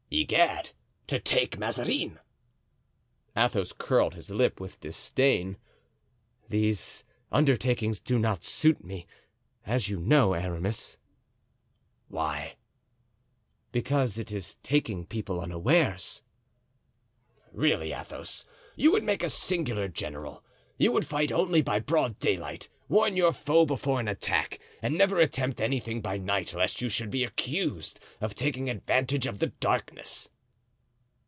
"Egad! to take Mazarin." Athos curled his lip with disdain. "These undertakings do not suit me, as you know, Aramis." "Why?" "Because it is taking people unawares." "Really, Athos, you would make a singular general. You would fight only by broad daylight, warn your foe before an attack, and never attempt anything by night lest you should be accused of taking advantage of the darkness."